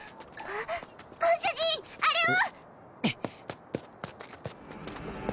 ご主人あれを！